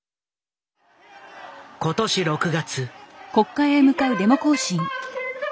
今年６月。